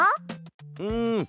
うん。